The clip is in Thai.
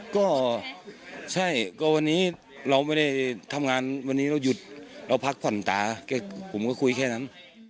ก็ใช่ก็วันนี้เราไม่ได้ทำงานวันนี้เราหยุดเราพักผ่อนตาผมก็คุยแค่นั้น